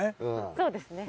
そうですね。